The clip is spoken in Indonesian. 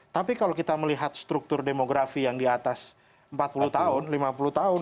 tapi kalau kita melihat struktur demografi yang di atas empat puluh tahun lima puluh tahun